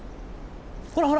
ほらほら